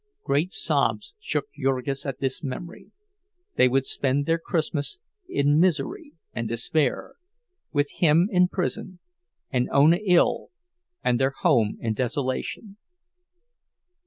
Great sobs shook Jurgis at this memory—they would spend their Christmas in misery and despair, with him in prison and Ona ill and their home in desolation.